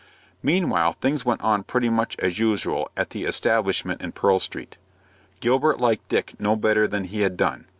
Meanwhile things went on pretty much as usual at the establishment in Pearl Street. Gilbert liked Dick no better than he had done.